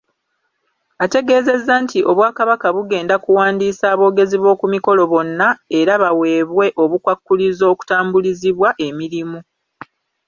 Ategeezezza nti Obwakabaka bugenda kuwandiisa aboogezi b’oku mikolo bonna era baweebwe obukwakkulizo okutambulizibwa emirimu.